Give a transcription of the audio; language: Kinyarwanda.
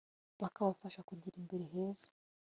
bakabafasha kugira imbere heza